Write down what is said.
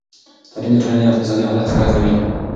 تعلیم د ټولنې اقتصادي حالت ښه کوي.